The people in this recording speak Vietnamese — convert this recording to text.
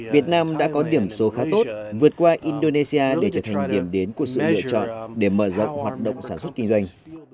việt nam đã có điểm số khá tốt vượt qua indonesia để trở thành điểm đến của sự lựa chọn để mở rộng hoạt động sản xuất kinh doanh